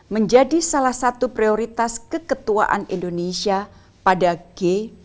menjadi salah satu prioritas keketuaan indonesia pada g dua puluh